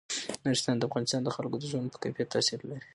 نورستان د افغانستان د خلکو د ژوند په کیفیت تاثیر لري.